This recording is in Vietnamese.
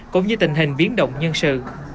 cũng như tình hình biến động nhân sự